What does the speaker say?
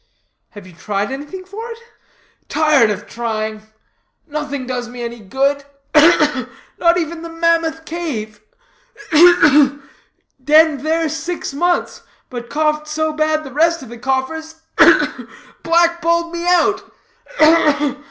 "Have you tried anything for it?" "Tired of trying. Nothing does me any good ugh! ugh! Not even the Mammoth Cave. Ugh! ugh! Denned there six months, but coughed so bad the rest of the coughers ugh! ugh! black balled me out.